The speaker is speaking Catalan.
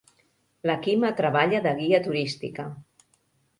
La Quima treballa de guia turística.